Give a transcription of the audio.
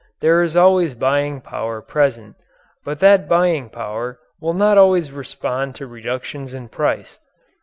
There is always buying power present but that buying power will not always respond to reductions in price.